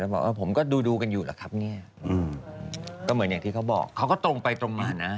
บอกเออผมก็ดูดูกันอยู่แหละครับเนี่ยก็เหมือนอย่างที่เขาบอกเขาก็ตรงไปตรงมานะ